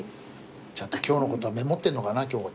ちゃんと今日のことはメモってんのかな京子ちゃん。